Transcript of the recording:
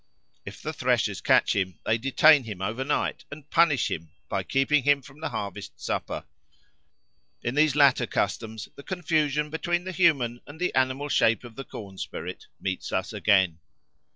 If the threshers catch him they detain him over night and punish him by keeping him from the harvest supper. In these latter customs the confusion between the human and the animal shape of the corn spirit meets us again.